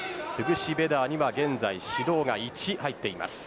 ベダーには現在指導が１入っています。